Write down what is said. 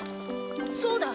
そうだ！